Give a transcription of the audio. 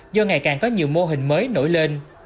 do ngày càng có nhiều mô hình mới nổi lên